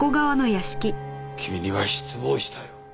君には失望したよ。